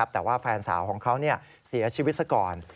แต่ว่าแฟนสาวของเขาเสียชีวิตซะก่อน